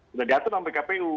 sudah datang sampai kpu